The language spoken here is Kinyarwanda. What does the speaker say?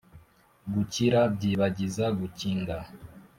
Gukira byibagiza gukinga